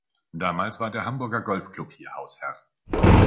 Damals war der Hamburger Golf Club hier Hausherr.